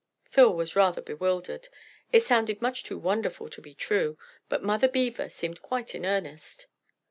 Phil was rather bewildered; it sounded much too wonderful to be true, but Mother Beaver, seemed quite in earnest.